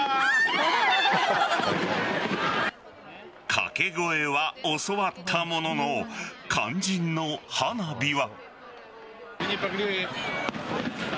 掛け声は教わったものの肝心の花火は。